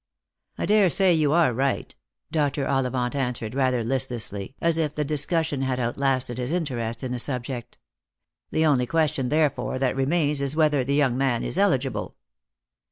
" I daresay you are right," Dr. Ollivant answered rather listlessly, as if the discussion had outlasted his interest in the subject. " The only question, therefore, that remains is whether the young man is eligible."